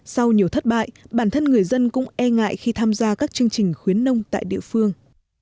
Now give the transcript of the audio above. sau nhiều thất bại bản thân người dân cũng e ngại khi tham gia các chương trình khuyến nông tại địa phương